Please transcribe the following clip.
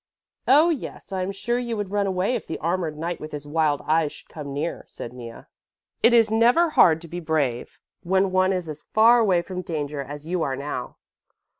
"Oh, yes, I am sure you would run away if the armoured knight with his wild eyes should come nearer," said Mea. "It is never hard to be brave when one is as far away from danger as you are now."